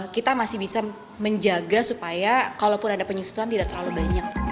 kita masih bisa menjaga supaya kalaupun ada penyusuan tidak terlalu banyak